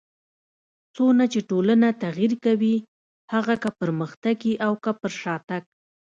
څونه چي ټولنه تغير کوي؛ هغه که پرمختګ يي او که پر شاتګ.